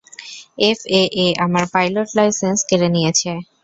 FAA আমার pilot licence কেড়ে নিয়েছে।